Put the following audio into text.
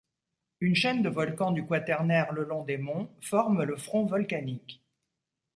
Une chaîne de volcans du Quaternaire le long des monts forme le front volcanique.